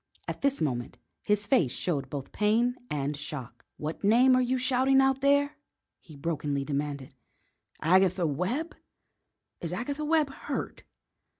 At this moment his face showed both pain and shock. "What name are you shouting out there?" he brokenly demanded. "Agatha Webb? Is Agatha Webb hurt?"